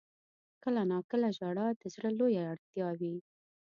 • کله ناکله ژړا د زړه لویه اړتیا وي.